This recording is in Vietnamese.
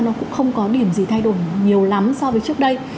nó cũng không có điểm gì thay đổi nhiều lắm so với trước đây